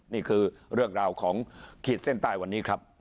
นี่คือเรื่องราวของขีดเส้นใต้วันนี้ครับ